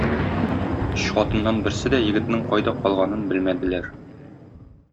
Өч хатыннан берсе дә егетнең кайда калганын белмәделәр.